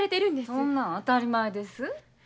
そんなん当たり前です。